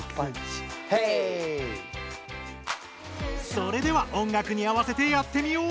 それでは音楽に合わせてやってみよう！